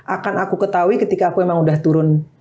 akan aku ketahui ketika aku memang udah turun